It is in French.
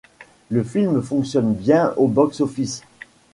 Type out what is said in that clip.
Le film fonctionne bien au box-office.